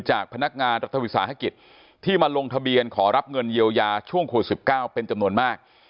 จากพนักงานรัฐวิสาหกิจที่มาลงทะเบียนขอรับเงินเยียวยาช่วงโควิด๑๙เป็นจำนวนมาก